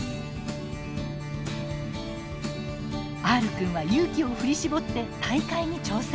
Ｒくんは勇気を振り絞って大会に挑戦。